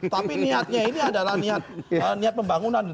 tapi niatnya ini adalah niat pembangunan